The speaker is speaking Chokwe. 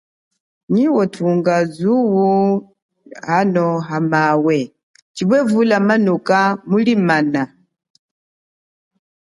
Nyi wathunga zuo hamawe chipwe vula manoka zuo liye mulimana.